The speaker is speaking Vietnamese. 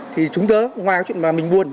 thì chúng ta ngoài cái chuyện mà mình buồn